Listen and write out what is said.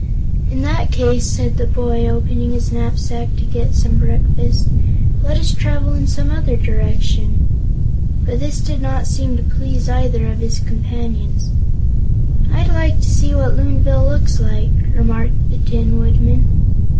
"In that case," said the boy, opening his knapsack to get some breakfast, "let us travel in some other direction." But this did not seem to please either of his companions. "I'd like to see what Loonville looks like," remarked the Tin Woodman.